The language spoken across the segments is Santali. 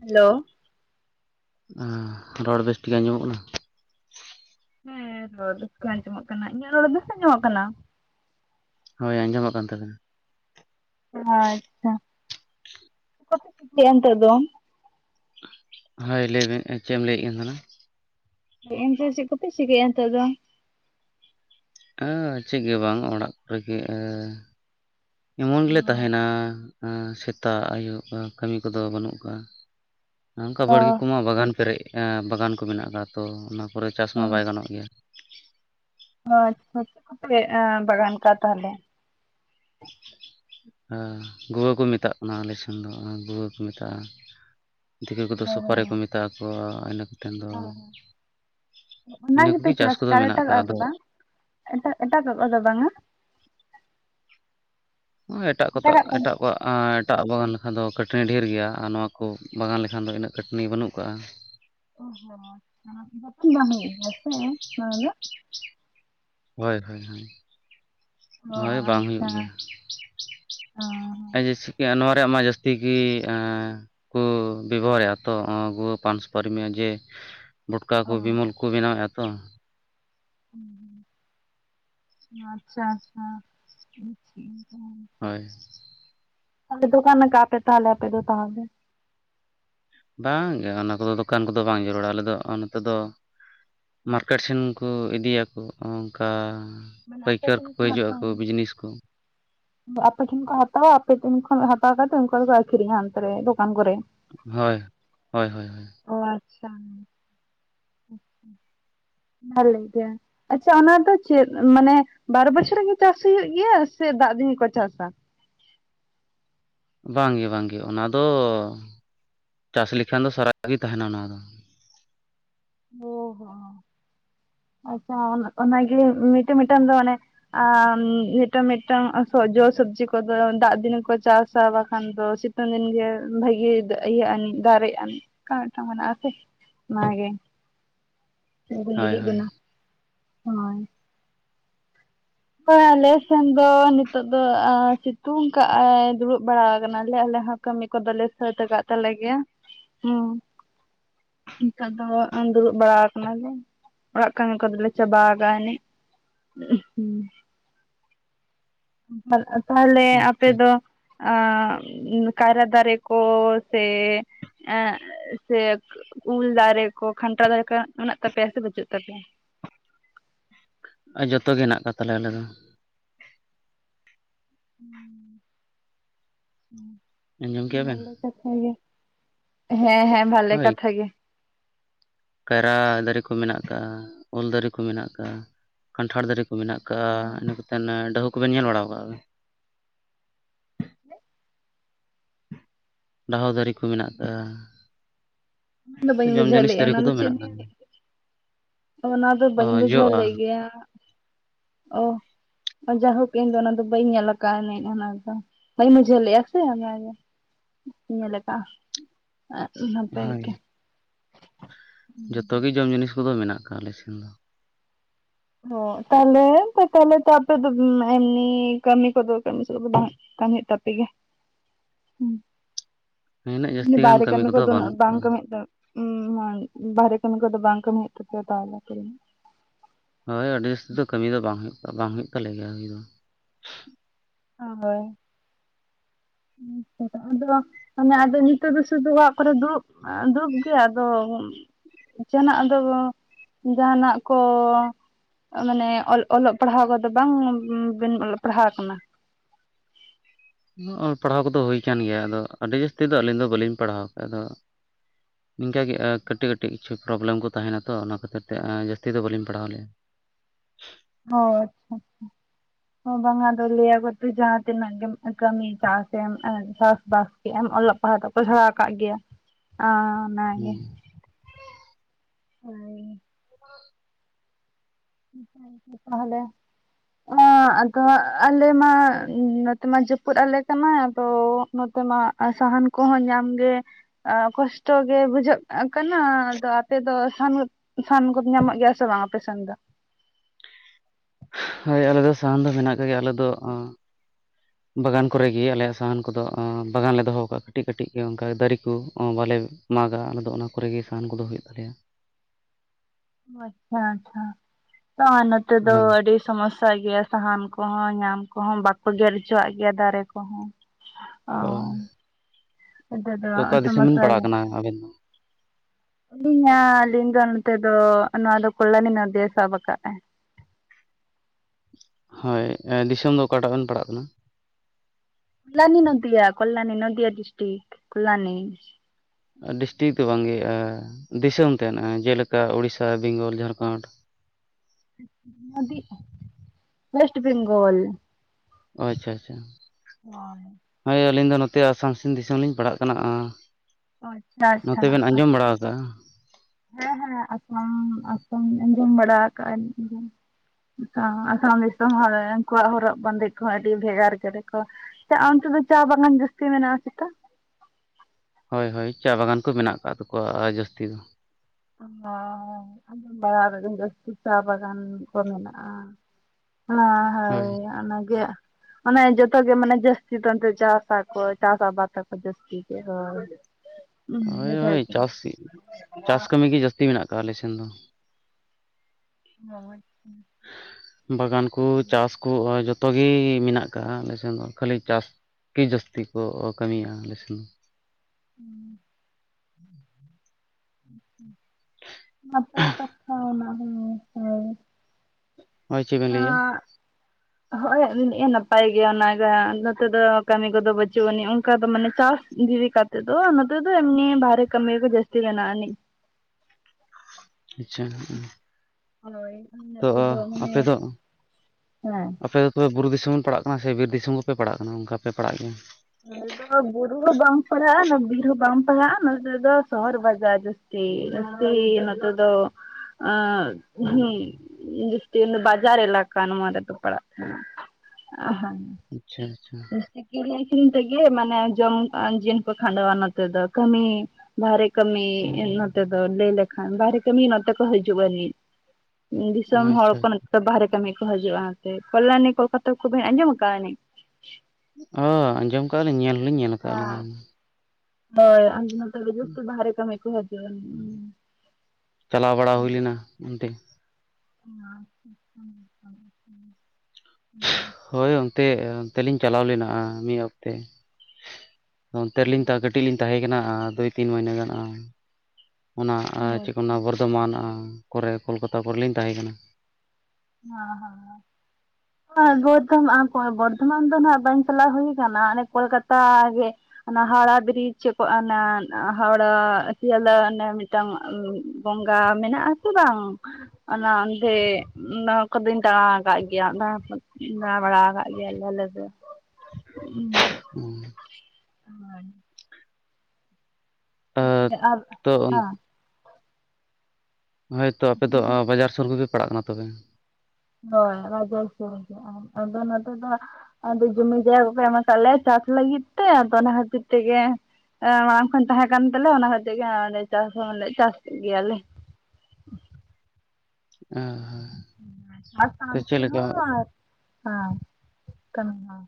ᱦᱮᱞᱳ᱾ ᱩᱸ ᱨᱚᱲ ᱵᱮᱥ ᱴᱷᱤᱠ ᱟᱸᱡᱚᱢᱚᱜ ᱠᱟᱱᱟ? ᱦᱮᱸ ᱨᱚᱲ ᱵᱮᱥ ᱜᱮ ᱟᱸᱡᱚᱢᱚᱜ ᱠᱟᱱᱟ ᱤᱧᱟᱹᱜ ᱨᱚᱲ ᱵᱮᱥ ᱜᱮ ᱟᱸᱡᱚᱢᱚᱜ ᱠᱟᱱᱟ? ᱦᱳᱭ ᱟᱸᱡᱚᱢᱚᱜ ᱠᱟᱱ ᱛᱟᱵᱤᱱᱟ᱾ ᱟᱪᱷᱟ ᱪᱮᱫ ᱠᱚᱯᱮ ᱪᱤᱠᱟᱹᱭᱮᱜᱟ ᱱᱤᱛᱚᱜ ᱫᱚ? ᱦᱳᱭ ᱞᱟᱹᱭ ᱵᱤᱱ ᱪᱮᱫ ᱮᱢ ᱞᱟᱹᱭᱮᱫ ᱠᱟᱱ ᱛᱟᱦᱮᱱᱟ? ᱞᱟᱹᱭᱮᱜᱟᱧ ᱡᱮ ᱪᱮᱫ ᱠᱚᱯᱮ ᱪᱤᱠᱟᱹᱭᱮᱜᱟ ᱱᱤᱛᱚᱜ ᱫᱚ? ᱪᱮᱫ ᱜᱮ ᱵᱟᱝ ᱚᱲᱟᱜ ᱠᱚᱨᱮᱜᱮ ᱮᱢᱚᱱ ᱞᱮ ᱛᱟᱦᱮᱱᱟ᱾ ᱥᱮᱛᱟᱜ ᱟᱹᱭᱩᱵ ᱠᱟᱹᱢᱤ ᱠᱚ ᱫᱚ ᱵᱟᱹᱱᱩᱜ ᱠᱚᱣᱟ ᱾ ᱚᱝᱠᱟ ᱚ ᱵᱟᱲᱜᱮ ᱠᱚᱢᱟ ᱵᱟᱜᱟᱱ ᱯᱮᱨᱮᱡ ᱵᱟᱜᱟᱱ ᱠᱚ ᱢᱮᱱᱟᱜᱟ ᱠᱟᱫᱟ ᱛᱚ ᱚᱱᱟ ᱠᱚᱨᱮ ᱪᱟᱥ ᱢᱟ ᱵᱟᱭ ᱜᱟᱱᱚᱜ ᱜᱮᱭᱟ᱾ ᱚ ᱟᱪᱷᱟ ᱪᱮᱫ ᱠᱚᱯᱮ ᱵᱟᱜᱟᱱ ᱠᱟᱜᱟ ᱛᱟᱦᱚᱞᱮ? ᱦᱮᱸ ᱜᱳᱣᱟᱹ ᱠᱚ ᱢᱮᱛᱟᱜ ᱠᱟᱱᱟ ᱟᱞᱮ ᱥᱮᱱ ᱫᱚ ᱜᱳᱣᱟᱹ ᱠᱚ ᱢᱮᱛᱟᱜᱼᱟ᱾ ᱫᱤᱠᱩ ᱠᱚ ᱫᱚ ᱥᱚᱯᱟᱨᱤᱠᱚ ᱢᱮᱛᱟᱜ ᱟᱠᱚ ᱮᱰᱮᱠᱷᱟ ᱚ ᱚᱱᱟ ᱤᱱᱟᱹ ᱜᱮ ᱠᱚᱜᱮ ᱛᱚ ᱪᱟᱥ ᱠᱚᱫᱚ ᱢᱮᱱᱟᱜ ᱠᱟᱨᱮᱛᱟ ᱟᱠᱟᱫ ᱟᱫᱚ ᱵᱟᱝ? ᱮᱴᱟᱜ ᱮᱴᱟᱜ ᱠᱟᱜ ᱠᱚ ᱫᱚ ᱵᱟᱝᱟ? ᱮᱴᱟᱜ ᱠᱚᱛᱟᱜ ᱮᱴᱟᱜᱟᱜ ᱠᱚ ᱮᱴᱟᱜ ᱠᱚᱣᱟᱜ᱾ ᱮᱴᱟᱜ ᱵᱟᱜᱟᱱ ᱞᱮᱠᱷᱟᱱ ᱫᱚ ᱠᱟᱹᱴᱟᱹᱱᱤ ᱰᱷᱮᱨ ᱜᱮᱭᱟ, ᱟᱨ ᱱᱚᱣᱟ ᱠᱚ ᱵᱟᱜᱟᱱ ᱞᱮᱠᱷᱟᱱ ᱫᱚ ᱤᱱᱟᱹᱜ ᱠᱷᱟᱹᱴᱟᱱᱤ ᱵᱟᱹᱱᱩᱜ ᱠᱟᱜ-ᱟ᱾ ᱚ ᱦᱚᱸ [unintelligible] ᱵᱟᱠᱤ ᱵᱟᱝ ᱱᱚᱣᱟ ᱫᱚ᱾ ᱦᱳᱭ ᱦᱳᱭ ᱦᱳᱭ ᱚ ᱦᱳᱭ ᱵᱟᱝ ᱦᱩᱭᱩᱜ ᱟᱪᱪᱷᱟ ᱜᱮᱭᱟ᱾ ᱚ ᱟᱪᱷᱟ ᱪᱤᱠᱟᱹᱜ-ᱟ ᱱᱚᱣᱟ ᱨᱮᱭᱟᱜ ᱢᱟ ᱡᱟᱹᱥᱛᱤ ᱜᱤ ᱮ ᱠᱚ ᱵᱮᱵᱚᱦᱟᱨ ᱮᱜ-ᱟ ᱛᱚ ᱜᱩᱣᱟ. ᱯᱟᱱᱥ ᱯᱟᱨᱢᱤᱭᱟ ᱡᱮ ᱜᱷᱩᱴᱠᱟ ᱠᱚ, ᱚ ᱵᱤᱢᱚᱞ ᱠᱚ ᱵᱮᱱᱟᱣᱮᱫ-ᱟ ᱛᱚ᱾ ᱦᱩᱸ ᱦᱩᱸ ᱟᱪᱷᱟ ᱟᱪᱷᱟ [unintelligible] ᱦᱳᱭ ᱛᱟᱞᱦᱮ ᱫᱚᱠᱟᱱ ᱠᱟᱭᱟ ᱯᱮ ᱛᱟᱞᱦᱮ ᱟᱯᱮ ᱫᱚ ᱛᱟᱞᱦᱮ? ᱵᱟᱝ ᱜᱮ ᱚᱱᱟ ᱠᱚ ᱫᱚ ᱫᱚᱠᱟᱱ ᱠᱚ ᱫᱚ ᱵᱟᱝ ᱡᱟᱹᱨᱩᱲᱟ᱾ ᱟᱞᱮ ᱫᱚ ᱱᱚᱛᱮ ᱫᱚ ᱢᱟᱨᱠᱮᱴ ᱥᱮᱱ ᱠᱚ ᱤᱫᱤᱭᱟ ᱠᱚ ᱚᱱᱠᱟ ᱢᱟᱱᱮ ᱟᱯᱮ ᱯᱟᱹᱭᱠᱟᱹᱨ ᱠᱚ ᱴᱷᱮᱱ ᱠᱚ ᱦᱤᱡᱩᱜ ᱦᱟᱛᱟᱣᱟ ᱟᱠᱚ ᱵᱤᱡᱽᱱᱮᱥ ᱠᱚ᱾ ᱟᱯᱮ ᱴᱷᱮᱱ ᱠᱚ ᱦᱟᱛᱟᱣ ᱟᱯᱮ ᱴᱷᱮᱱ ᱦᱟᱛᱟᱣ ᱠᱟᱛᱮᱫ ᱩᱱᱠᱩ ᱫᱚ ᱠᱚ ᱟᱠᱷᱨᱤᱧᱟ ᱦᱟᱱᱛᱮ ᱨᱮ ᱫᱚᱠᱟᱱ ᱠᱚᱨᱮ᱾ ᱦᱳᱭ ᱦᱳᱭ ᱦᱳᱭ, ᱚ ᱟᱪᱷᱟ ᱵᱷᱟᱹᱞᱮ ᱜᱮ᱾ ᱟᱪᱷᱟ ᱚᱱᱟ ᱫᱚ ᱪᱮᱫ ᱢᱟᱱᱮ ᱵᱟᱨᱚ ᱵᱚᱪᱷᱚᱨ ᱜᱮ ᱪᱟᱥ ᱦᱳᱭᱳᱜ ᱜᱮᱭᱟ ᱥᱮ ᱫᱟᱜ ᱫᱤᱱ ᱜᱮ ᱠᱚ ᱪᱟᱥᱟ? ᱵᱟᱝ ᱜᱮ ᱵᱟᱝ ᱜᱮ ᱚᱱᱟ ᱫᱚ ᱪᱟᱥ ᱞᱮᱠᱷᱟᱱ ᱫᱚ ᱥᱟᱨᱟ ᱜᱮ ᱛᱟᱦᱮᱱᱟ ᱚᱱᱟ ᱫᱚ᱾ ᱚ ᱦᱚᱸ ᱟᱪᱷᱟ ᱚᱱᱟ ᱜᱮ ᱢᱤᱫ ᱴᱟᱝ ᱢᱤᱫ ᱴᱟᱝ ᱫᱚ ᱚᱱᱮ ᱟᱸ ᱢᱤᱫ ᱴᱟᱝ ᱢᱤᱫ ᱴᱟᱝ ᱥᱚᱡᱚ ᱥᱚᱵᱽᱡᱤ ᱠᱚ ᱫᱚ ᱫᱟᱜ ᱫᱤᱱ ᱜᱮᱠᱚ ᱪᱟᱥᱟ ᱵᱟᱠᱷᱟᱱ ᱫᱚ ᱥᱤ- ᱛᱚᱝ ᱫᱤᱱ ᱜᱮ ᱵᱷᱟᱹᱜᱤ ᱤᱭᱟᱹ ᱟᱱᱤᱡ ᱫᱟᱨᱮ ᱟᱹᱱᱤᱡ ᱚᱠᱟ ᱢᱤᱫ ᱴᱟᱝ ᱢᱮᱱᱟᱜ ᱟᱥᱮ ᱚᱱᱟ ᱜᱮ᱾ ᱠᱩᱠᱞᱤ ᱦᱳᱭ ᱠᱮᱫ ᱦᱳᱭ ᱵᱤᱱᱟ᱾ ᱦᱳᱭ, ᱦᱳᱭ ᱟᱞᱮ ᱥᱮᱱ ᱫᱚ ᱱᱤᱛᱳᱜ ᱫᱚ ᱥᱤᱛᱩᱝ ᱠᱟᱜ-ᱟᱭ ᱫᱩᱲᱩᱵ ᱵᱟᱲᱟ ᱠᱟᱱᱟᱞᱮ ᱟᱞᱮ ᱠᱟᱹᱢᱤ ᱠᱚᱫᱚᱞᱮ ᱥᱟᱹᱛ ᱠᱟᱜ ᱛᱟᱞᱮ ᱜᱮᱭᱟ᱾ ᱦᱩᱸ ᱦᱤᱛᱳᱜ ᱫᱚ ᱫᱩᱲᱩᱵ ᱵᱟᱲᱟ ᱠᱟᱱᱟᱞᱮ᱾ ᱚᱲᱟᱜ ᱠᱟᱢᱤ ᱠᱚᱫᱚᱞᱮ ᱪᱟᱵᱟ ᱠᱟᱜ ᱟᱱᱤᱡ᱾ ᱦᱩᱸ ᱛᱟᱦᱟᱞᱮ ᱟᱯᱮ ᱫᱚ ᱟᱸᱜ ᱠᱟᱭᱨᱟ ᱫᱟᱨᱮ ᱠᱚ ᱥᱮ ᱟᱸᱜ ᱥᱮ ᱩᱞ ᱫᱟᱨᱮ ᱠᱚ, ᱠᱷᱟᱱᱴᱟ ᱫᱟᱨᱮ ᱠᱚ ᱢᱮᱱᱟᱜ ᱛᱟᱯᱮᱭᱟ ᱥᱮ ᱵᱟᱪᱩᱜ ᱛᱟᱯᱮᱭᱟ? ᱡᱚᱛᱚ ᱜᱮ ᱦᱮᱱᱟᱜ ᱠᱟᱫ ᱛᱟᱞᱮᱭᱟ ᱟᱞᱮ ᱫᱚ᱾ [unintelligible] ᱟᱸᱡᱚᱢ ᱠᱮᱜᱼᱟ ᱵᱮᱱ ᱦᱮᱸ ᱦᱮᱸ ᱵᱷᱟᱞᱮ ᱦᱳᱭ ᱠᱟᱛᱷᱟ ᱜᱮ᱾ ᱠᱟᱭᱨᱟ ᱫᱟᱨᱮ ᱠᱚ ᱢᱮᱱᱟᱜ ᱠᱟᱜ-ᱟ, ᱩᱞ ᱫᱟᱨᱮ ᱠᱚ ᱢᱮᱱᱟᱜ ᱠᱟᱜ-ᱟ, ᱠᱟᱱᱴᱷᱟᱲ ᱫᱟᱨᱮ ᱠᱚ ᱢᱮᱱᱟᱜ ᱠᱟᱜ-ᱟ, ᱦᱳᱭ ᱤᱱᱟᱹ ᱠᱟᱛᱮ ᱰᱟᱹᱦᱩ ᱠᱚᱵᱤᱱ ᱧᱮᱞ ᱵᱟᱲᱟ ᱠᱟᱫᱟ ᱵᱤᱱ? [unintelligible] ᱰᱟᱦᱟᱣ ᱫᱟᱨᱮ ᱠᱚ ᱢᱮᱱᱟᱜ ᱠᱟᱜ-ᱟ᱾ ᱚᱱᱟ ᱫᱚ ᱵᱟᱹᱧ ᱡᱚᱢ ᱵᱩᱡᱷᱟᱹᱣ ᱡᱤᱱᱤᱥ ᱞᱮᱫᱼᱟ ᱫᱟᱨᱮ ᱚᱱᱟ ᱠᱚᱫᱚ ᱫᱚ ᱪᱮᱫ ᱢᱮᱱᱟᱜ ᱛᱟᱞᱮᱭᱟ᱾ ᱚᱱᱟ ᱫᱚ ᱵᱟᱹᱧ ᱵᱩᱡᱷᱟᱹᱣ ᱞᱮᱫ ᱜᱮᱭᱟ᱾ ᱚ ᱡᱟᱭ ᱦᱳᱠ ᱤᱧ ᱫᱚ ᱚᱱᱟ ᱫᱚ ᱵᱟᱹᱧ ᱧᱮᱞ ᱟᱠᱟᱫ-ᱟ ᱟᱱᱤᱡ ᱚᱱᱟ ᱫᱚ, ᱵᱟᱹᱧ ᱵᱩᱡᱷᱟᱹᱣ ᱞᱮᱜ-ᱟ ᱥᱮ ᱚᱱᱟ ᱜᱮ᱾ ᱧᱮᱞ ᱟᱠᱟᱜ-ᱟ ᱱᱟᱯᱟᱭ ᱦᱳᱭ ᱜᱮ᱾ ᱡᱚᱛᱚ ᱜᱮ ᱡᱚᱢ ᱡᱤᱱᱤᱥ ᱠᱚᱫᱚ ᱢᱮᱱᱟᱜ-ᱟ ᱟᱞᱮ ᱥᱮᱱ ᱫᱚ᱾ ᱚ ᱛᱟᱦᱚᱞᱮ ᱛᱟᱦᱚᱞᱮ ᱛᱚ ᱟᱯᱮ ᱫᱚ ᱮᱢᱱᱤ ᱠᱟᱹᱢᱤ ᱠᱚᱫᱚ ᱠᱟᱹᱢᱤ ᱥᱚᱢᱚᱭ ᱵᱟᱝ ᱠᱟᱹᱢᱤᱜ ᱛᱟᱯᱮ ᱜᱮ᱾ ᱦᱩᱸ, ᱤᱱᱟᱹᱜ ᱡᱟᱹᱥᱛᱤ ᱜᱟᱱ ᱵᱟᱭᱨᱮ ᱠᱟᱹᱢᱤ ᱠᱚᱫᱚ ᱵᱟᱹᱱᱩᱜ ᱩᱱᱟᱹᱜ ᱵᱟᱝ ᱟᱠᱟᱜᱼᱟ ᱠᱟᱹᱢᱤᱜ ᱩᱸ ᱵᱟᱨᱦᱨᱮ ᱠᱟᱹᱢᱤ ᱠᱚᱫᱚ ᱵᱟᱝ ᱠᱟᱹᱢᱤ ᱦᱩᱭᱩᱜ ᱛᱟᱯᱮᱭᱟ ᱛᱟᱦᱚᱞᱮ ᱟᱞᱮ ᱫᱚ᱾ ᱦᱳᱭ ᱟᱹᱰᱤ ᱩᱥᱛᱟᱹᱭ ᱫᱚ ᱠᱟᱹᱢᱤ ᱫᱚ ᱵᱟᱝ ᱦᱩᱭᱩᱜ ᱵᱟᱝ ᱦᱩᱭᱩᱜ ᱛᱟᱞᱮ ᱜᱮᱭᱟ᱾ ᱦᱚᱭ᱾ [unintelligible] ᱫᱚ ᱵᱟᱝ᱾ ᱢᱟᱱᱮ ᱟᱫᱚ ᱱᱤᱛᱚᱜ ᱫᱚ ᱥᱩᱫᱩ ᱚᱲᱟᱜ ᱠᱚᱨᱮ ᱫᱩᱲᱩᱵ ᱫᱩᱲᱩᱵ ᱜᱮ ᱟᱫᱚ ᱡᱟᱦᱟᱱᱟᱜ ᱟᱫᱚ ᱡᱟᱦᱟᱱᱟᱜ ᱠᱚ ᱢᱟᱱᱮ ᱚᱞᱚᱜ ᱯᱟᱲᱦᱟᱣ ᱠᱚᱫᱚ ᱵᱟᱝᱵᱮᱱ ᱚᱞᱚᱜ ᱯᱟᱲᱦᱟᱣ ᱠᱟᱱᱟ? ᱚᱞ ᱯᱟᱲᱦᱟᱣ ᱠᱚᱫᱚ ᱦᱩᱭ ᱟᱠᱟᱱ ᱜᱮᱭᱟ, ᱟᱰᱤ ᱡᱟᱹᱥᱛᱤ ᱫᱚ ᱟᱹᱞᱤᱧ ᱫᱚ ᱵᱟᱹᱞᱤᱧ ᱯᱟᱲᱦᱟᱣ ᱠᱟᱜᱼᱟ ᱟᱫᱚ ᱱᱚᱝᱠᱟᱜᱮ ᱠᱟᱹᱴᱤᱡ ᱠᱟᱹᱴᱤᱡ ᱠᱤᱪᱷᱩ ᱯᱨᱚᱵᱞᱮᱢ ᱠᱚ ᱛᱟᱦᱮᱱᱟ ᱛᱚ ᱚᱱᱟ ᱠᱷᱟᱹᱛᱤᱨ ᱛᱮ ᱡᱟᱹᱥᱛᱤ ᱫᱚ ᱵᱟᱹᱞᱤᱧ ᱯᱟᱲᱦᱟᱣ ᱞᱮᱜᱼᱟ ᱾ ᱦᱚᱭ ᱟᱪᱪᱷᱟ ᱟᱪᱪᱷᱟ᱾ ᱵᱟᱝ ᱟᱫᱚ ᱞᱟᱹᱭ ᱜᱮᱭᱟ ᱠᱚᱛᱚ ᱡᱟᱦᱟᱸ ᱛᱤᱱᱟᱹᱜ ᱜᱮ ᱠᱟᱹᱢᱤ ᱪᱟᱥ ᱮᱢ ᱪᱟᱥ ᱵᱟᱥ ᱟᱢ ᱚᱞᱚᱜ ᱯᱟᱲᱦᱟᱜ ᱫᱚᱠᱚ ᱥᱮᱲᱟ ᱟᱠᱟᱫ ᱜᱮᱭᱟ ᱚᱱᱟᱜᱮ ᱦᱩᱸ ᱦᱚᱭ᱾ [unintelligible] [unintelligible] ᱛᱟᱦᱚᱞᱮ ᱟᱫᱚ ᱟᱞᱮ ᱢᱟ ᱱᱚᱛᱮ ᱢᱟ ᱡᱟᱹᱯᱩᱫ ᱟᱞᱮ ᱠᱟᱱᱟᱭ ᱟᱫᱚ ᱱᱚᱛᱮ ᱢᱟ ᱥᱟᱦᱟᱱ ᱠᱚᱦᱚᱸ ᱧᱟᱢ ᱜᱮ ᱠᱚᱥᱴᱚ ᱜᱮ ᱵᱩᱡᱷᱟᱹᱜ ᱠᱟᱱᱟ ᱟᱫᱚ ᱟᱯᱮ ᱫᱚ ᱥᱟᱱ ᱥᱟᱦᱟᱱ ᱠᱚ ᱧᱟᱢᱚᱜ ᱜᱮᱭᱟ ᱥᱮ ᱵᱟᱝ ᱟᱯᱮ ᱥᱮᱱ ᱫᱚ? ᱦᱳᱭ ᱟᱞᱮ ᱫᱚ ᱥᱟᱦᱟᱱ ᱫᱚ ᱢᱮᱱᱟᱜ ᱟᱠᱟᱫ ᱜᱮᱭᱟ ᱟᱞᱮᱫᱚ [unintelligible] ᱵᱟᱜᱟᱱ ᱠᱚᱨᱮᱜᱮ ᱟᱞᱮᱭᱟᱜ ᱥᱟᱦᱟᱱ ᱠᱚᱫᱚ ᱵᱟᱜᱟᱱ ᱞᱮ ᱫᱚᱦᱚ ᱠᱟᱜᱼᱟ ᱠᱟᱹᱴᱤᱡ ᱠᱟᱹᱴᱤᱡ ᱜᱮ ᱚᱱᱠᱟ ᱜᱮ ᱫᱟᱨᱮ ᱠᱚ ᱵᱟᱞᱮ ᱢᱟᱜᱟ ᱟᱞᱮ ᱫᱚ ᱚᱱᱟ ᱠᱚᱨᱮᱜ ᱜᱮ ᱥᱟᱦᱟᱱ ᱠᱚᱫᱚ ᱦᱩᱭᱩᱜ ᱛᱟᱞᱮᱭᱟ᱾ ᱟᱪᱪᱷᱟ ᱟᱪᱪᱷᱟ ᱛᱚ ᱱᱚᱛᱮ ᱫᱚ ᱦᱳᱭ ᱟᱹᱰᱤ ᱥᱚᱢᱚᱥᱥᱟ ᱜᱮᱭᱟ ᱥᱟᱦᱟᱱ ᱠᱚᱦᱚᱸ ᱧᱟᱢ ᱠᱚᱦᱚᱸ ᱵᱟᱠᱚ ᱜᱮᱨ ᱦᱚᱪᱚᱣᱟᱜ ᱜᱮᱭᱟ ᱫᱟᱨᱮ ᱠᱚᱦᱚᱸ᱾ ᱚ ᱦᱳᱭ ᱱᱚᱛᱮ ᱫᱚ ᱥᱚᱢᱚᱥᱟ ᱜᱮ᱾ ᱦᱮᱸ ᱟᱹᱵᱤᱱ ᱦᱚᱸ ᱟᱹᱞᱤᱧ ᱢᱟ ᱱᱚᱛᱮ ᱫᱚᱚᱴ ᱱᱚᱣᱟ ᱫᱚ ᱠᱚᱞᱞᱟᱱᱤ ᱰᱨᱮᱥ ᱥᱟᱵ ᱠᱟᱜ ᱟᱭ᱾ ᱦᱳᱭ ᱫᱤᱥᱚᱢ ᱫᱚ ᱚᱠᱟᱴᱟᱜ ᱵᱮᱱ ᱯᱟᱲᱦᱟᱜ ᱠᱟᱱᱟ? ᱠᱚᱞᱞᱟᱱᱤ ᱱᱚᱫᱤᱭᱟ ᱠᱚᱞᱟᱱᱤ ᱱᱚᱫᱤᱭᱟ ᱰᱤᱥᱴᱤᱠ ᱠᱚᱞᱞᱟᱱᱤ᱾ ᱰᱤᱥᱴᱤᱠ ᱫᱚ ᱵᱟᱝᱜᱮᱼᱟ ᱫᱤᱥᱚᱢ ᱛᱟᱦᱮᱱᱟ ᱡᱮᱞᱮᱠᱟ ᱩᱲᱤᱥᱥᱟ, ᱵᱮᱝᱜᱚᱞ, ᱡᱷᱟᱲᱠᱷᱚᱸᱰ ᱾ ᱱᱚᱫᱤᱭᱟ, ᱚᱭᱮᱥᱴ ᱵᱮᱝᱜᱚᱞ᱾ ᱚ ᱟᱪᱪᱷᱟ ᱟᱪᱪᱷᱟ ᱦᱳᱭ ᱦᱳᱭ ᱟᱹᱞᱤᱧ ᱫᱚ ᱱᱚᱛᱮ ᱟᱥᱟᱢ ᱥᱤᱱ ᱫᱤᱥᱚᱢ ᱞᱤᱧ ᱯᱟᱲᱟᱜ ᱠᱟᱱᱟ᱾ ᱟᱪᱪᱷᱟ ᱟᱪᱪᱷᱟ ᱱᱚᱛᱮ ᱵᱮᱱ ᱟᱸᱡᱚᱢ ᱟᱪᱪᱷᱟ ᱵᱟᱲᱟ ᱠᱟᱜᱼᱟ? ᱦᱮᱸ ᱦᱮᱸ ᱟᱥᱟᱢ ᱟᱥᱟᱢ ᱟᱸᱡᱚᱢ ᱵᱟᱲᱟ ᱠᱟᱜᱼᱟ᱾ ᱟᱥᱟᱢ ᱫᱤᱥᱚᱢ ᱦᱚᱲ ᱩᱱᱠᱩᱣᱟᱜ ᱦᱚᱨᱚᱜ ᱵᱟᱸᱫᱮ ᱠᱚᱦᱚᱸ ᱟᱹᱰᱤ ᱵᱷᱮᱜᱟᱨ ᱜᱮ ᱠᱚ ᱚᱱᱛᱮ ᱫᱚ ᱪᱟ ᱵᱟᱜᱟᱱ ᱡᱟᱹᱥᱛᱤ ᱢᱮᱱᱟᱜᱼᱟ ᱥᱮ ᱪᱮᱛᱟ? ᱦᱳᱭ ᱦᱳᱭ ᱪᱟ ᱵᱟᱜᱟᱱ ᱠᱚ ᱢᱮᱱᱟᱜ ᱟᱠᱟᱫ ᱛᱟᱠᱚᱣᱟ ᱟᱹᱰᱤ ᱡᱟᱹᱥᱛᱤ ᱫᱚ᱾ ᱚ ᱟᱸᱡᱚᱢ ᱵᱟᱲᱟ ᱨᱮᱫᱚ ᱡᱟᱹᱥᱛᱤ ᱪᱟ ᱵᱟᱜᱟᱱ ᱠᱚ ᱢᱮᱱᱟᱜᱼᱟ᱾ ᱚᱱᱟ ᱦᱳᱭ ᱚᱱᱟᱜᱮ᱾ ᱢᱟᱱᱮ ᱡᱚᱛᱚ ᱜᱮ ᱢᱟᱱᱮ ᱡᱟᱹᱥᱛᱤ ᱫᱚᱱ ᱪᱟᱥ ᱟᱠᱚ ᱪᱟᱥ ᱟᱵᱟᱫ ᱛᱟᱠᱚ ᱡᱟᱹᱥᱛᱤ ᱜᱮᱭᱟ ᱦᱳᱭ᱾ [unintelligible] ᱵᱩᱡᱷᱟᱹᱣ ᱦᱳᱭᱼᱦᱳᱭ ᱠᱮᱜ ᱪᱟᱥᱤ, ᱪᱟᱥ ᱠᱟᱹᱢᱤ ᱜᱮ ᱡᱟᱹᱥᱛᱤ ᱢᱮᱱᱟᱜ ᱟᱠᱟᱫᱟ ᱟᱞᱮ ᱥᱮᱱ ᱫᱚ᱾ [unintelligible] ᱵᱟᱜᱟᱱ ᱠᱚ ᱪᱟᱥ ᱠᱚ ᱡᱚᱛᱚ ᱜᱮ ᱢᱮᱱᱟᱜ ᱠᱟᱜᱼᱟ, ᱟᱞᱮ ᱥᱮᱱ ᱫᱚ ᱠᱷᱟᱹᱞᱤ ᱪᱟᱥᱼᱼ ᱜᱮ ᱡᱟᱹᱥᱛᱤ ᱠᱚ ᱠᱟᱹᱢᱤᱭᱟ ᱟᱞᱮ ᱥᱮᱱ ᱾ ᱦᱩᱸ᱾ ᱱᱟᱯᱟᱭ ᱠᱟᱛᱷᱟ ᱚᱱᱟ ᱦᱮ ᱦᱳᱭ᱾ ᱦᱳᱭ ᱪᱮᱫ ᱵᱮᱱ ᱞᱟᱹᱭᱮᱼᱟ? ᱦᱚᱭ ᱡᱟᱱᱤᱡ-ᱮ ᱱᱟᱯᱟᱭ ᱜᱮᱭᱟ ᱚᱱᱟᱜᱮ ᱱᱚᱛᱮ ᱫᱚ ᱠᱟᱹᱢᱤ ᱠᱚᱫᱚ ᱵᱟᱪᱩᱜ ᱟᱹᱱᱤᱡ ᱚᱱᱠᱟ ᱫᱚ ᱢᱟᱱᱮ ᱪᱟᱥ ᱤᱫᱤ ᱠᱟᱛ ᱛᱮ ᱫᱚ ᱱᱚᱛᱮ ᱫᱚ ᱮᱢᱱᱤ ᱵᱟᱦᱨᱮ ᱠᱚ ᱠᱟᱹᱢᱤ ᱜᱮ ᱡᱟᱥᱛᱤ ᱢᱮᱱᱟᱜ ᱟᱱᱤᱡᱽ᱾ ᱟᱪᱪᱷᱟ ᱦᱚᱸᱼᱚ᱾ ᱦᱳᱭ᱾ ᱛᱚ ᱱᱚᱛᱮ ᱫᱚ ᱢᱟᱱᱮ ᱟᱯᱮᱫᱚ ᱦᱮᱸ ᱟᱯᱮᱫᱚ ᱛᱚᱵᱮ ᱵᱩᱨᱩ ᱫᱤᱥᱚᱢ ᱵᱮᱱ ᱯᱟᱲᱟᱜ ᱠᱟᱱᱟ ᱥᱮ ᱵᱤᱨ ᱫᱤᱥᱚᱢ ᱠᱚ ᱯᱮ ᱯᱟᱲᱟᱜ ᱠᱟᱱᱟ, ᱚᱱᱠᱟ ᱯᱮ ᱯᱟᱲᱟᱜ ᱜᱮᱭᱟ? ᱱᱚᱛᱮ ᱫᱚ ᱵᱩᱨᱩ ᱦᱚᱸ ᱵᱟᱝ ᱯᱟᱲᱟᱜᱼᱟ ᱟᱨ ᱵᱤᱨ ᱦᱚᱸ ᱵᱟᱝ ᱯᱟᱲᱦᱟᱜᱼᱟ ᱱᱚᱛᱮ ᱫᱚ ᱥᱚᱦᱚᱨ ᱵᱟᱡᱟᱨ ᱡᱟᱥ ᱛᱤ ᱟᱨᱠᱤ ᱱᱚᱛᱮ ᱫᱚ ᱟᱸᱜ ᱦᱩᱸ᱾ ᱡᱟᱥᱛᱤ ᱵᱟᱡᱟᱨ ᱤᱞᱱᱟ ᱵᱟᱡᱟᱨ ᱮᱞᱟᱠᱟ ᱱᱚᱣᱟᱨᱮᱫᱚ ᱯᱟᱲᱟᱜ ᱠᱟᱱᱟ᱾ ᱟᱪᱪᱷᱟᱼᱟᱪᱪᱷᱟ᱾ ᱠᱤᱨᱤᱧ ᱟᱠᱦᱨᱤᱧ ᱛᱮᱜᱮ ᱢᱟᱱᱮ ᱡᱚᱢ ᱟᱱ ᱡᱤᱭᱚᱱ ᱠᱚ ᱠᱷᱟᱸᱰᱣᱟ ᱱᱚᱛᱮ ᱫᱚ, ᱠᱟᱹᱢᱤ ᱵᱟᱦᱨᱮ ᱠᱟᱹᱢᱤ ᱱᱚᱛᱮ ᱫᱚ ᱞᱟᱹᱭ ᱞᱮᱠᱷᱟᱱ ᱵᱟᱦᱨᱮ ᱠᱟᱹᱢᱤ ᱱᱚᱛᱮ ᱠᱚ ᱦᱤᱡᱩᱜ ᱟᱹᱱᱤᱡ᱾ ᱫᱤᱥᱚᱢ ᱦᱚᱲ ᱟᱪᱪᱷᱟ ᱠᱚ ᱱᱚᱛᱮ ᱫᱚ ᱵᱟᱨᱦᱨᱮ ᱠᱟᱹᱢᱤ ᱠᱚ ᱦᱤᱡᱩᱜᱼᱟ ᱱᱚᱛᱮ᱾ ᱠᱚᱞᱭᱟᱱᱤ, ᱠᱳᱞᱠᱟᱛᱟ, ᱠᱚ ᱵᱮᱱ ᱟᱸᱡᱚᱢ ᱟᱠᱟᱜ ᱟᱱᱤᱡ? ᱚ ᱟᱸᱡᱚᱢ ᱟᱠᱟᱜᱠᱟᱜ-ᱟᱞᱤᱧ ᱧᱮᱞ ᱦᱚᱸᱞᱤᱧ ᱧᱮᱞ ᱟᱠᱟ-ᱟᱹᱞᱤᱧ ᱟᱹᱞᱤᱧ᱾ ᱦᱚᱭ ᱟᱫᱚ ᱱᱚᱛᱮ ᱫᱚ ᱡᱟᱥᱛᱤ ᱵᱟᱦᱟᱨᱮ ᱠᱟᱹᱢᱤ ᱠᱚ ᱦᱤᱡᱩᱜ ᱟᱱᱤᱡ᱾ ᱪᱟᱞᱟᱣ ᱵᱟᱲᱟ ᱦᱩᱭ ᱞᱮᱱᱟ ᱚᱱᱛᱮ᱾ [unintelligible] ᱦᱳᱭ᱾ ᱦᱳᱭ ᱚᱱᱛᱮ, ᱚᱱᱛᱮ ᱞᱤᱧ ᱪᱟᱞᱟᱣ ᱞᱮᱱᱟ ᱟ ᱢᱤᱫ ᱚᱠᱛᱮ᱾ ᱚᱱᱛᱮ ᱨᱮᱞᱤᱧ ᱛᱟᱴᱜᱮᱴ ᱴᱤ ᱛᱮᱞᱤᱧ ᱛᱟᱦᱮᱸ ᱠᱟᱱᱟ ᱟ ᱫᱩᱭ ᱛᱤᱱ ᱢᱟᱹᱭᱱᱟᱹ ᱜᱟᱱ ᱟᱸ ᱚᱱᱟ ᱦᱳᱭ ᱪᱮᱫ ᱠᱚ ᱟᱪᱪᱷᱟ ᱢᱮᱱᱟ ᱵᱚᱨ ᱫᱚᱢᱟᱱ ᱟ ᱠᱚᱨᱮ ᱠᱳᱞᱠᱟᱛᱟ ᱠᱚᱨᱮ ᱞᱤᱧ ᱛᱟᱦᱮᱸ ᱠᱟᱱᱟ᱾ ᱦᱟᱸ ᱦᱟᱸ᱾ ᱵᱚᱨᱫᱷᱚᱢᱟᱱ ᱠᱚᱭ ᱵᱚᱨᱫᱷᱚᱢᱟᱱ ᱫᱚ ᱱᱦᱟᱜ ᱵᱟᱝ ᱪᱟᱞᱟᱣ ᱦᱩᱭ ᱟᱠᱟᱱᱟ ᱚᱱᱮ ᱠᱳᱞᱠᱟᱛᱟ ᱜᱮ᱾ ᱚᱱᱟ ᱦᱟᱣᱲᱟ ᱵᱨᱤᱡᱽ ᱪᱮᱫ ᱠᱚ ᱢᱮᱱᱟ ᱦᱟᱣᱲᱟ, ᱥᱳᱭᱟᱞᱫᱟ ᱚᱱᱮ ᱢᱤᱫᱴᱟᱝ ᱩᱸ ᱵᱚᱸᱜᱟ ᱢᱮᱱᱟᱜ ᱟᱥᱮ ᱵᱟᱝ ᱚᱱᱟ ᱚᱸᱰᱮ ᱚᱱᱟ ᱠᱚᱫᱚᱧ ᱫᱟᱬᱟ ᱟᱠᱟᱫ ᱜᱮᱭᱟ᱾ ᱫᱟᱬᱟ ᱫᱚ ᱫᱟᱬᱟ ᱵᱟᱲᱟ ᱟᱠᱟᱫ ᱜᱮᱭᱟᱞᱮ ᱟᱞᱮ ᱫᱚ᱾ [unintelligible] ᱦᱩᱸ᱾ ᱦᱳᱭ᱾ [unintelligible] ᱟᱨ ᱦᱟᱸ ᱦᱳᱭᱛᱚ ᱟᱯᱮ ᱫᱚ ᱚ ᱵᱟᱡᱟᱨ ᱥᱩᱨ ᱜᱮᱯᱮ ᱯᱟᱲᱟᱜ ᱠᱟᱱᱟ ᱛᱚᱵᱮ᱾ ᱦᱳᱭ ᱵᱟᱡᱟᱨ ᱥᱩᱨ ᱜᱮ ᱟᱨ ᱟᱫᱚ ᱱᱚᱛᱮ ᱫᱚ ᱟᱫᱚ ᱡᱩᱢᱤ ᱡᱟᱭᱜᱟ ᱠᱚ ᱮᱢ ᱟᱠᱟᱫᱽ ᱞᱮᱭᱟ ᱪᱟᱥ ᱞᱟᱜᱤᱫᱽ ᱛᱮ ᱟᱫᱚ ᱚᱱᱟ ᱠᱦᱟᱛᱤᱨ ᱛᱮᱜᱮ ᱮ ᱢᱟᱲᱟᱝ ᱠᱷᱚᱱ ᱛᱟᱦᱮᱸ ᱠᱟᱱ ᱛᱟᱞᱮᱭᱟ ᱚᱱᱟ ᱠᱦᱟᱛᱤᱨ ᱜᱮ ᱱᱚᱣᱟᱞᱮ ᱪᱟᱥ ᱦᱚᱸ ᱢᱟᱱᱮ ᱪᱟᱥᱮᱫ ᱜᱮᱭᱟᱞᱮ᱾ ᱚ ᱦᱮᱸ᱾ ᱟᱪᱶᱷᱟ ᱱᱚᱱᱛᱮ ᱦᱚᱸ ᱦᱟᱸ ᱠᱟᱱᱟᱢ ᱦᱟᱸ᱾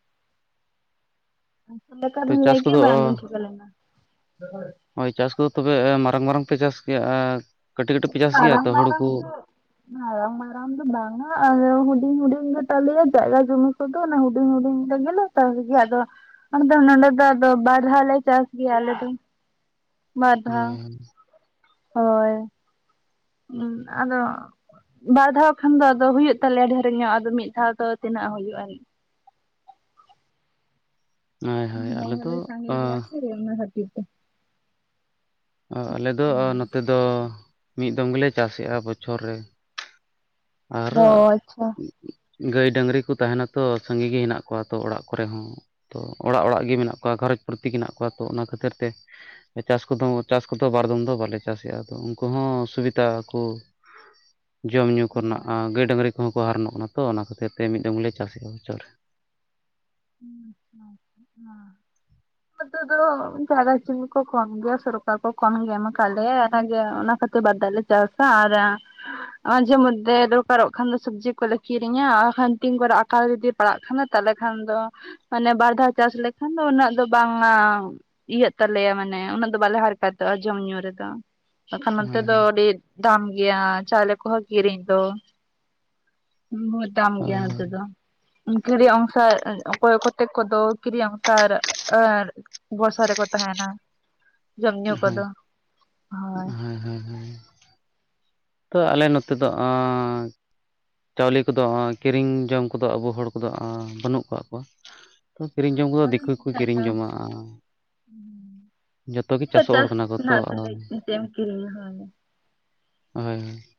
ᱪᱮᱫᱽ ᱞᱮᱠᱟ ᱛᱚ ᱵᱤᱱ ᱪᱟᱥ ᱞᱟᱹᱭ ᱠᱮᱫ ᱠᱚᱫᱚ ᱵᱟᱭ ᱟᱸᱡᱚᱢ ᱴᱦᱤᱠᱟᱹ ᱞᱮᱱᱟ᱾ ᱦᱳᱭ ᱪᱟᱥ ᱠᱚᱫᱚ ᱛᱚᱵᱮ ᱮ ᱢᱟᱨᱟᱝᱼᱢᱟᱨᱟᱝ ᱯᱮ ᱪᱟᱥ ᱜᱮᱭᱟ ᱟ ᱠᱟᱹᱴᱤᱡᱼᱠᱟᱹᱴᱤᱡ ᱯᱮ ᱪᱟᱥ ᱜᱮᱭᱟ ᱢᱟᱨᱟᱝ ᱛᱚ ᱦᱩᱲᱩ ᱢᱟᱨᱟᱝ ᱠᱚ ᱫᱚ ᱢᱟᱨᱟᱝ ᱢᱟᱨᱟᱝ ᱫᱚ ᱵᱟᱝᱟ ᱟᱞᱮ ᱦᱩᱰᱤᱧ-ᱦᱩᱰᱤᱧ ᱜᱮ ᱛᱟᱞᱮᱭᱟ ᱡᱟᱭᱜᱟ ᱡᱚᱢᱤ᱾ ᱠᱚᱫᱚ ᱚᱱᱟ ᱦᱩᱰᱤᱝ ᱦᱩᱰᱤᱝ ᱞᱮ ᱜᱮᱞᱮ ᱪᱟᱥ ᱜᱮᱭᱟ ᱟᱫᱚ ᱟᱞᱮ ᱫᱚ ᱱᱚᱰᱮ ᱫᱚ ᱟᱫᱚ ᱵᱟᱨ ᱫᱷᱟ ᱞᱮ ᱪᱟᱥ ᱜᱮᱭᱟ ᱟᱞᱮ ᱫᱚ᱾ ᱵᱟᱨ ᱫᱷᱟᱣ ᱦᱩᱸ᱾ ᱦᱳᱭ ᱦᱩᱸ ᱟᱫᱚ ᱵᱟᱨ ᱫᱷᱟᱣ ᱠᱷᱟᱱ ᱫᱚ ᱟᱫᱚ ᱦᱩᱭᱩᱜ ᱛᱟᱞᱮᱭᱟ ᱰᱷᱮᱨ ᱧᱚᱜ ᱟᱫᱚ ᱢᱤᱫ ᱫᱷᱟᱣ ᱫᱚ ᱛᱤᱱᱟᱹᱜ ᱦᱩᱭᱩᱜᱼᱟᱱᱤᱡ᱾ ᱦᱳᱭ ᱦᱳᱭ ᱦᱚᱲ ᱟᱞᱮ ᱦᱚᱸ ᱫᱚ ᱞᱮ ᱥᱟᱜᱮ ᱜᱮᱭᱟ ᱥᱮ ᱚᱱᱟ ᱠᱷᱟᱹᱛᱤᱨ ᱛᱮ᱾ ᱚ ᱟᱞᱮᱫ ᱫᱚ ᱦᱳᱭ ᱱᱚᱛᱮ ᱫᱚ ᱢᱤᱫ ᱫᱚᱢ ᱜᱮᱞᱮ ᱪᱟᱥᱮᱜᱼᱟ ᱵᱚᱪᱷᱚᱨ ᱨᱮ᱾ ᱚ ᱟᱨᱦᱚ ᱟᱪᱪᱷᱟ ᱜᱟᱹᱭ ᱰᱟᱹᱝᱨᱤ ᱠᱚ ᱛᱟᱦᱮᱱᱟ ᱛᱚ ᱥᱟᱸᱜᱤ ᱜᱮ ᱦᱮᱱᱟᱜ ᱠᱚᱣᱟ ᱛᱚ ᱚᱲᱟᱜ ᱠᱚᱨᱮ ᱦᱚᱸ᱾ ᱛᱚ ᱚᱲᱟᱜ ᱚᱲᱟᱜ ᱜᱮ ᱢᱮᱱᱟᱜ ᱠᱚᱣᱟ ᱜᱷᱟᱨᱚᱸᱡᱽ ᱯᱨᱚᱛ ᱜᱮ ᱢᱮᱱᱟᱜ ᱠᱚᱣᱟ ᱛᱚ ᱚᱱᱟ ᱠᱷᱟᱹᱛᱤᱨ ᱛᱮ ᱪᱟᱥ ᱠᱚᱫᱚ ᱪᱟᱥ ᱠᱚ ᱫᱚ ᱵᱟᱨᱫᱢ ᱫᱚ ᱵᱟᱞᱮ ᱪᱟᱥᱮᱜᱼᱟ ᱟᱫᱚ ᱩᱝᱠᱩ ᱦᱚᱸ ᱥᱩᱵᱤᱫᱟ ᱠᱩ- ᱡᱚᱢᱼᱧᱩ ᱠᱚᱨᱮᱱᱟᱜ ᱦᱳᱭ ᱜᱟᱹᱭ ᱰᱟᱹᱝᱨᱤ ᱠᱚᱦᱚᱸ ᱠᱚ ᱦᱟᱨᱚᱱᱚᱜ ᱠᱟᱱᱟ ᱛᱚ ᱚᱱᱟ ᱠᱷᱟᱹᱛᱤᱨ ᱛᱮ ᱢᱤᱫ ᱫᱚᱢ ᱜᱮ ᱞᱮ ᱪᱟᱥᱮᱫᱼᱟ ᱵᱚᱪᱷᱚᱨ ᱨᱮ᱾ [unintelligible] ᱫᱚ ᱡᱟᱜ [inaudible] ᱠᱚ ᱠᱚᱢ ᱜᱮᱭᱟ ᱥᱩᱨᱩᱠᱟ ᱠᱚ ᱠᱚᱢ ᱜᱮᱢ ᱮᱢᱠᱟ ᱞᱮᱭᱟᱭ ᱚᱱᱟ ᱠᱷᱟᱛᱤᱨ ᱵᱟᱫᱟᱞᱮ ᱪᱟᱥᱟ ᱟᱨ ᱟᱹ ᱟᱡᱷᱮ ᱢᱚᱫᱽᱫᱷᱮ ᱫᱚᱨᱠᱟᱨᱚᱜ ᱠᱷᱟᱱ ᱫᱚ ᱥᱚᱵᱽᱡᱤ ᱠᱚᱞᱮ ᱠᱤᱨᱤᱧᱟ ᱟᱨ ᱠᱷᱟᱱ ᱛᱤᱧ ᱠᱚᱨᱮ ᱟᱠᱟᱞ ᱫᱤᱯ ᱯᱟᱲᱟᱜ ᱠᱟᱱᱟ ᱛᱟᱦᱚᱞᱮ ᱠᱷᱟᱱ ᱫᱚ ᱢᱟᱱᱮ ᱵᱟᱨ ᱫᱷᱟᱣ ᱪᱟᱥ ᱞᱮᱠᱷᱟᱱ ᱫᱚ ᱩᱱᱟᱹᱜ ᱫᱚ ᱵᱟᱝᱼᱟ ᱤᱭᱟᱹᱜ ᱛᱟᱞᱮᱭᱟ ᱢᱟᱱᱮ ᱩᱱᱟᱹᱜ ᱫᱚ ᱵᱟᱞᱮ ᱦᱟᱨ ᱠᱟᱮᱛᱚᱜᱼᱟ ᱡᱚᱢ ᱧᱩ ᱨᱮᱫᱚ᱾ ᱵᱟᱠᱷᱟᱱ ᱱᱚᱛᱮ ᱫᱚ ᱨᱮ ᱟᱹᱰᱤ ᱫᱟᱢ ᱜᱮᱭᱟ ᱪᱟᱣᱞᱮ ᱠᱚᱦᱚᱸ ᱠᱤᱨᱤᱧ ᱫᱚ᱾ ᱵᱚᱦᱚᱛ ᱫᱟᱢ ᱦᱳᱭ ᱜᱮᱭᱟ ᱱᱚᱛᱮ ᱫᱚ [unintelligible] ᱠᱚᱭᱛᱮᱠ ᱠᱚᱫᱚ ᱠᱤᱨᱤᱧ ᱚᱝᱥᱟᱨ ᱵᱚᱨᱥᱟ ᱨᱮᱠᱚ ᱛᱟᱦᱮᱱᱟ᱾ ᱡᱚᱢ ᱧᱩ ᱠᱚᱫᱚ ᱦᱳᱭ᱾ ᱦᱩᱸ ᱦᱩᱸ ᱦᱩᱸ᱾ ᱛᱚ ᱟᱞᱮ ᱱᱚᱛᱮ ᱫᱚ ᱟᱸᱻ ᱪᱟᱣᱞᱮ ᱠᱚᱫᱚ ᱟᱸ ᱠᱤᱨᱤᱧ ᱡᱚᱢ ᱠᱚᱫᱚ ᱟᱵᱚ ᱦᱚᱲ ᱠᱚᱫᱚ ᱟᱸ ᱵᱟᱹᱱᱩᱜ ᱠᱟᱜ ᱠᱚᱣᱟ᱾ ᱛᱚ ᱠᱤᱨᱤᱧ ᱡᱚᱢ ᱠᱚᱫᱚ ᱟᱫᱚ ᱫᱤᱠᱩ ᱜᱮ ᱱᱤᱡᱮᱨᱟᱜ ᱠᱤᱨᱤᱧ ᱪᱟᱥ ᱡᱚᱝᱣᱟᱜᱼᱟ᱾ ᱡᱚᱛᱚ ᱜᱮ ᱱᱤᱡᱮᱨᱟᱜ ᱪᱟᱥᱚᱜ ᱦᱚᱲ ᱪᱟᱥ ᱠᱟᱱᱟ ᱠᱚ ᱛᱚ ᱨᱮᱱᱟᱜ ᱟᱸ ᱛᱩᱞᱩᱡ ᱪᱮᱫ ᱮᱢ ᱠᱤᱨᱤᱧᱟ ᱦᱳᱭ ᱦᱳᱭ ᱦᱳᱭ᱾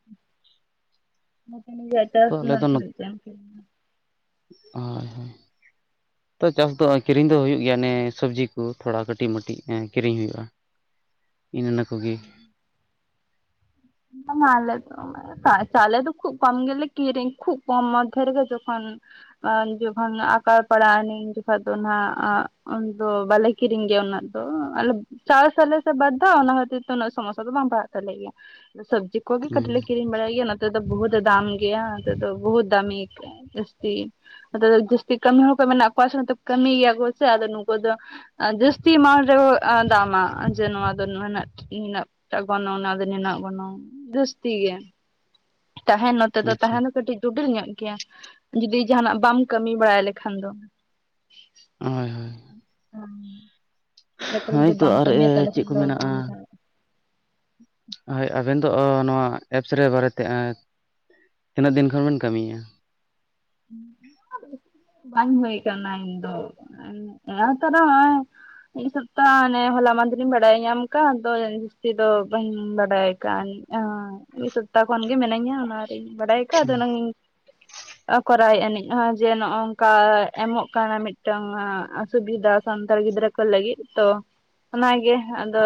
ᱛᱚ ᱟᱞᱮ ᱫᱚ ᱱᱚᱛᱮ [unintelligible] ᱦᱳᱭ ᱦᱳᱭ᱾ ᱛᱚ ᱪᱟᱥ ᱫᱚ ᱠᱤᱨᱤᱧ ᱫᱚ ᱦᱩᱭᱩᱜ ᱜᱮᱭᱟ ᱚᱱᱮ ᱥᱚᱵᱽᱡᱤ ᱠᱚ ᱛᱷᱚᱲᱟ ᱠᱟᱹᱴᱤᱡ ᱢᱟᱹᱴᱤᱡ ᱠᱤᱨᱤᱧ ᱦᱩᱭᱩᱜᱼᱟ᱾ [unintelligible] ᱤᱱ ᱤᱱᱟᱹ ᱠᱚᱜᱤ᱾ ᱵᱟᱝᱼᱟ ᱟᱞᱮ ᱫᱚ ᱪᱟᱣᱞᱮ ᱫᱚ ᱠᱷᱩᱵ ᱠᱚᱢ ᱜᱮᱞᱮ ᱠᱤᱨᱤᱧ ᱠᱷᱩᱵ ᱠᱚᱢ ᱢᱚᱫᱷᱮ ᱨᱮᱜᱮ ᱡᱚᱠᱷᱚᱱ ᱡᱚᱠᱷᱚᱱ ᱟᱠᱟᱲ ᱯᱟᱲᱟᱜ ᱟᱹᱱᱤᱡ ᱩᱱ ᱡᱚᱠᱷᱚᱡ ᱱᱟᱜ ᱩᱱ ᱫᱚ ᱵᱟᱞᱮ ᱠᱤᱨᱤᱧ ᱜᱮ ᱩᱱᱟᱹᱜ ᱱᱟ ᱫᱚ ᱟᱞᱮ ᱪᱟᱥ ᱟᱞᱮ ᱥᱮ ᱵᱟᱫ ᱫᱷᱟᱣ ᱚᱱᱟ ᱠᱷᱟᱹᱛᱤᱨ ᱛᱮ ᱩᱱᱟᱹᱜ ᱥᱚᱢᱚᱥᱟ ᱫᱚ ᱵᱟᱝ ᱯᱟᱲᱦᱟᱜ ᱛᱟᱞᱮ ᱜᱮᱭᱟ᱾ ᱥᱚᱵᱽᱡᱤ ᱠᱚᱜᱤ ᱦᱩᱸ ᱠᱟᱹᱴᱤᱡ ᱞᱮ ᱠᱤᱨᱤᱧ ᱵᱟᱲᱟᱭ ᱜᱮᱭᱟ ᱱᱚᱛᱮ ᱫᱚ ᱵᱚᱦᱩᱛ ᱫᱟᱢ ᱜᱮᱭᱟ ᱱᱚᱛᱮ ᱵᱚᱦᱩᱛ ᱫᱟᱢᱤ᱾ ᱡᱟᱹᱥᱛᱤ ᱟᱫᱚ ᱡᱟᱹᱥᱛᱤ ᱠᱟᱹᱢᱤ ᱦᱚᱲ ᱠᱚ ᱢᱮᱱᱟᱜ ᱠᱚᱣᱟ ᱥᱮ ᱠᱟᱹᱢᱤ ᱜᱮᱭᱟ ᱠᱚ ᱥᱮ ᱟᱫᱚ ᱱᱝᱠᱩ ᱫᱚ ᱡᱟᱹᱥᱛᱤ ᱮᱢᱟᱱ ᱨᱮᱦᱚᱸ ᱟᱹ ᱫᱟᱢᱟ ᱡᱮ ᱱᱚᱣᱟ ᱨᱮᱱᱟᱜ ᱱᱤᱱᱟᱹ ᱴᱟᱜ ᱜᱚᱱᱚᱝ ᱱᱚᱣᱟ ᱟᱫᱚ ᱱᱤᱱᱟ ᱜᱚᱱᱚᱝ᱾ ᱡᱟᱹᱥᱛᱤ ᱜᱮ ᱛᱟᱦᱮᱱ ᱱᱚᱛᱮ ᱫᱚ ᱟᱪᱪᱷᱟ ᱛᱟᱦᱮ ᱫᱚ ᱠᱟᱹᱴᱤᱡ ᱡᱚᱴᱤᱰᱤᱞ ᱧᱚᱜ ᱜᱮᱭᱟ᱾ ᱡᱩᱫᱤ ᱡᱟᱦᱟᱱᱟᱜ ᱵᱟᱢ ᱠᱟᱹᱢᱤ ᱵᱟᱲᱟᱭ ᱞᱮᱠᱷᱟᱱ ᱫᱚ᱾ ᱦᱳᱭ ᱦᱳᱭ [unintelligible] ᱵᱟᱭᱨᱮ ᱠᱚ ᱨᱮ ᱡᱩᱫᱤ ᱦᱳᱭᱛᱚ ᱵᱟᱢ ᱟᱨ ᱠᱟᱹᱢᱤᱭᱟ ᱛᱟᱦᱚᱞᱮ ᱪᱮᱫ ᱠᱷᱟᱱ ᱠᱚ ᱫᱚ ᱢᱮᱱᱟᱜᱼᱟ ᱵᱟᱢ ᱛᱟᱦᱮᱸ ᱦᱳᱭ ᱟᱵᱮᱱ ᱫᱚ ᱚ ᱱᱚᱣᱟ ᱮᱯᱥ ᱨᱮ ᱵᱟᱨᱮᱛᱮ ᱟᱸᱼᱼ ᱛᱤᱱᱟᱹᱜ ᱫᱤᱱ ᱠᱷᱚᱱ ᱵᱤᱱ ᱠᱟᱹᱢᱤᱭᱮᱜᱼᱟ? ᱵᱟᱝ ᱦᱩᱭ ᱠᱟᱱᱟ ᱤᱧ ᱫᱚ ᱱᱟᱭ ᱛᱟᱨᱟ ᱦᱚᱜ-ᱚᱭ ᱤᱧ ᱥᱚᱯᱛᱟ ᱦᱟᱱᱮ ᱦᱚᱞᱟ ᱢᱟᱫᱷᱮᱨ ᱤᱧ ᱵᱟᱰᱟᱭ ᱧᱟᱢ ᱟᱠᱟᱫ-ᱟ᱾ ᱟᱫᱚ ᱡᱟᱹᱥᱛᱤ ᱫᱚ ᱵᱟᱹᱧ ᱵᱟᱰᱟᱭ ᱠᱟᱱ ᱱᱤᱡ ᱚ ᱢᱤᱫ ᱥᱚᱯᱛᱟ ᱦᱚᱸ ᱠᱷᱚᱱ ᱜᱮ ᱢᱮᱱᱤᱧᱟᱹ ᱚᱱᱟ ᱨᱤᱧ ᱵᱟᱰᱟᱭ ᱟᱠᱟᱫ-ᱟ᱾ ᱟᱫᱚ ᱚᱱᱟ ᱤᱧ ᱠᱚᱨᱟᱣ ᱟᱹᱱᱤᱡ ᱦᱚᱸ ᱡᱮ ᱱᱚᱜ ᱱᱚᱝᱠᱟ ᱮᱢᱚᱜ ᱠᱟᱱᱟ ᱢᱤᱫᱴᱟᱝ ᱚ ᱥᱩᱵᱤᱫᱷᱟ ᱥᱟᱱᱛᱟᱲ ᱜᱤᱫᱽᱨᱟᱹ ᱠᱚ ᱞᱟᱹᱜᱤᱫ ᱛᱚ ᱚᱱᱟ ᱜᱮ ᱟᱫᱚ